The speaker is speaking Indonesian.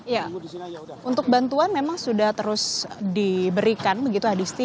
ya untuk bantuan memang sudah terus diberikan begitu hadisti